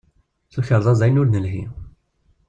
Tukarḍa d ayen ur nelhi.